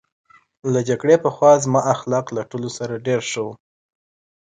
له جګړې پخوا زما اخلاق له ټولو سره ډېر ښه وو